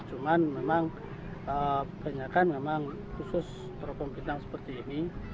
cuman memang banyak kan memang khusus teropong bintang seperti ini